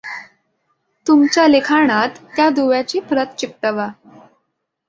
तुमच्या लिखाणात त्या दुव्याची प्रत चिकटवा.